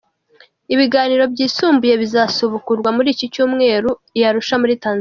Ibiganiro byisumbuye bizasubukurwa muri iki cyumweru i Arusha muri Tanzania.